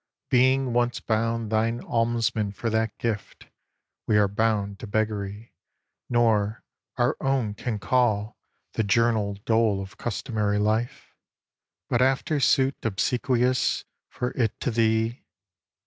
Being once bound thine almsmen for that gift, We are bound to beggary; nor our own can call The journal dole of customary life, But after suit obsequious for 't to thee.